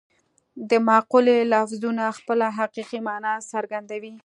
د مقولې لفظونه خپله حقیقي مانا څرګندوي